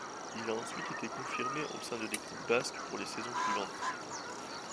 Il a ensuite été confirmé au sein de l'équipe basque pour les saisons suivantes.